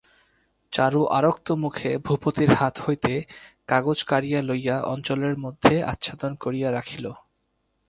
চারু আরক্তমুখে ভূপতির হাত হইতে কাগজ কাড়িয়া লইয়া অঞ্চলের মধ্যে আচ্ছাদন করিয়া রাখিল।